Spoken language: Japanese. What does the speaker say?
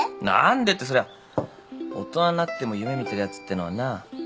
何でってそりゃ大人になっても夢見てるやつってのはな